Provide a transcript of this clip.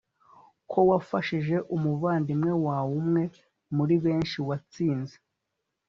ko wafashije umuvandimwe umwe muri benshi watsinze